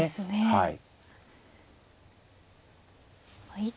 はい。